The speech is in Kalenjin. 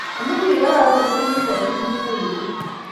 Amu kigararan ochei kigochi chesawiilok